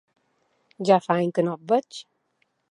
Ja fa anys que no et veig!